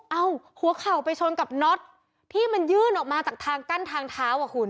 เอาหัวเข่าไปชนกับน็อตที่มันยื่นออกมาจากทางกั้นทางเท้าอ่ะคุณ